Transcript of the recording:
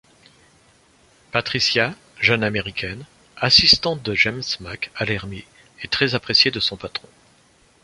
Patricia, jeune Américaine, assistante de James Mac Allermy est très appréciée de son patron.